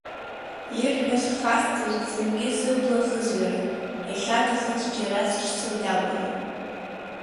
Ирҳәаз хасҵар зынгьы сыбла хызҩарын, иахьаҭахыз џьара сыҽсырдагәарын.